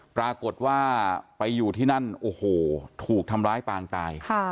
ปรากฏว่าไปอยู่ที่นั่นโอ้โหถูกทำร้ายปางตาย